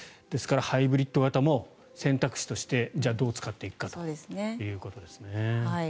ですから、ハイブリッド型も選択肢としてじゃあ、どう使っていくかということですね。